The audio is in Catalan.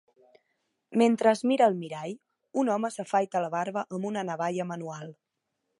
Mentre es mira al mirall, un home s'afaita la barba amb una navalla manual.